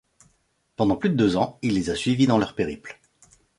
Pendant plus de deux ans, il les a suivi dans leur périple.